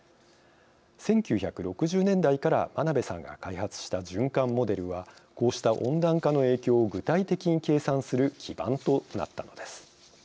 １９６０年代から真鍋さんが開発した循環モデルはこうした温暖化の影響を具体的に計算する基盤となったのです。